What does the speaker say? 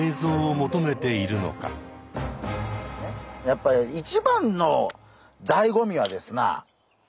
やっぱり一番の醍醐味はですな